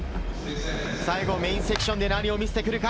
最後、メインセクションで何を見せてくるか？